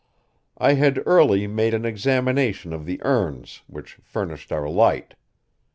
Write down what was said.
I had early made an examination of the urns which furnished our light.